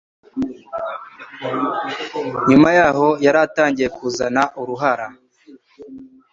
nyuma yaho yari atangiye kuzana uruhara